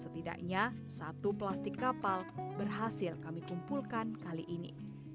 setidaknya satu plastik kapal berhasil kami kumpulkan kali ini